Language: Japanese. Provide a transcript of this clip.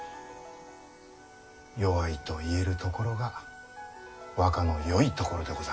弱いと言えるところが若のよいところでござる。